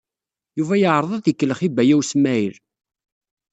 Yuba yeɛreḍ ad ikellex Baya U Smaɛil.